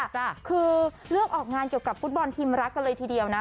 คือเลือกออกงานเกี่ยวกับฟุตบอลทีมรักกันเลยทีเดียวนะ